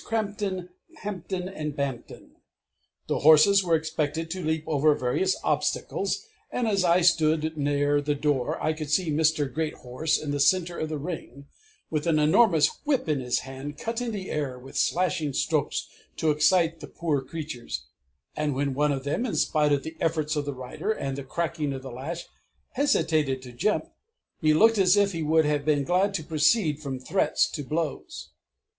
Crampton, Hampton, and Bampton. The horses were expected to leap over various obstacles, and as I stood near the door, I could see Mr. Greathorse in the centre of the Ring, with an enormous whip in his hand, cutting the air with slashing strokes, to excite the poor creatures, and when one of them, in spite of the efforts of the rider and the cracking of the lash, hesitated to jump, he looked as if he would have been glad to proceed from threats to blows!